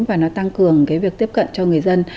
và nó tăng cường cái việc tiếp cận cho người dân